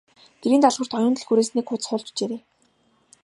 Гэрийн даалгаварт Оюун түлхүүрээс нэг хуудас хуулж бичээрэй.